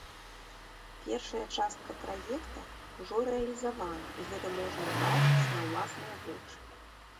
Першая частка праекта ўжо рэалізавана, і гэта можна ўбачыць на ўласныя вочы.